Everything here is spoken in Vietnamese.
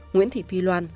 nguyễn thị phi loan